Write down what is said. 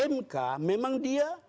mk memang dia